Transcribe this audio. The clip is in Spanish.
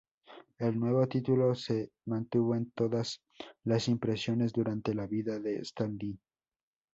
El nuevo título se mantuvo en todas las impresiones durante la vida de Stalin.